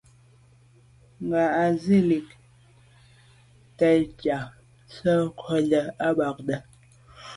Ŋgá á gə́ jí zǎ tɛ̌n ják ndzwə́ ncúndá â ŋgàbándá.